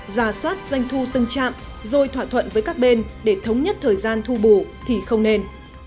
giả soát doanh thu từng trạm rồi thỏa thuận với các bên để thống nhất thời gian thu bù thì không nên